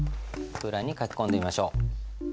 空欄に書き込んでみましょう。